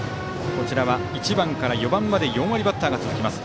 こちらは１番から４番まで４割バッターが続きます。